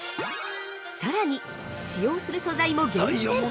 ◆さらに、使用する素材も厳選！